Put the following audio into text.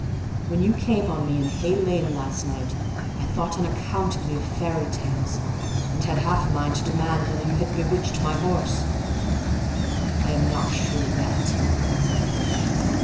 When you came on me in Hay Lane last night, I thought unaccountably of fairy tales, and had half a mind to demand whether you had bewitched my horse: I am not sure yet.